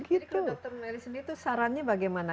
jadi kalau dokter melly sendiri itu sarannya bagaimana